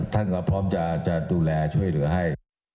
ท่านก็พร้อมจะดูแลช่วยเหลือให้